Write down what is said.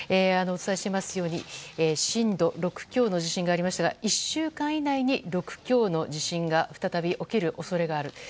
お伝えしていますように震度６強の地震がありましたが１週間以内に６強の地震が再び起きる恐れがある。